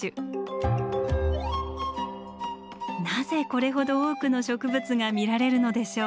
なぜこれほど多くの植物が見られるのでしょう？